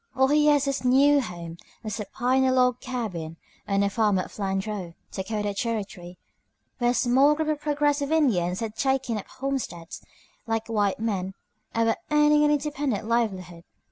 Ohiyesa's new home was a pioneer log cabin on a farm at Flandreau, Dakota Territory, where a small group of progressive Indians had taken up homesteads like white men and were earning an independent livelihood.